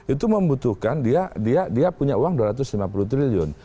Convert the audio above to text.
itu membutuhkan dia punya uang dua ratus lima puluh triliun